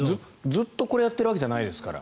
ずっとこれやってるわけじゃないですから。